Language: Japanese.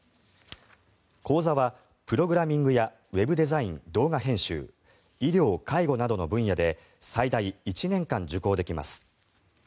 講座はプログラミングやウェブデザイン、動画編集医療介護などの分野で最大１年間受講できます。